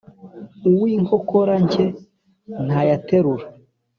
Uw' inkokora nke ntayaterura.